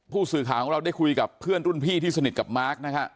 ผู้สื่อข่าวของเราได้คุยกับเพื่อนรุ่นพี่ที่สนิทกับมาร์คนะฮะ